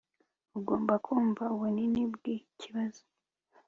ugomba kumva ubunini bwikibazo